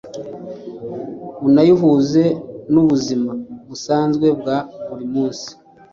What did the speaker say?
unayihuze n’ubuzima busanzwe bwa buri munsi.